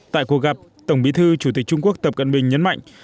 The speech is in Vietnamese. tại cuộc gặp tổng bí thư chủ tịch trung quốc tập cận bình nhấn mạnh